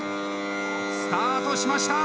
スタートしました！